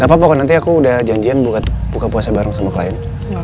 gak apa apa kok nanti aku udah janjian buka puasa bareng sama klien